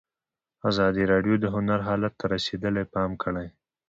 ازادي راډیو د هنر حالت ته رسېدلي پام کړی.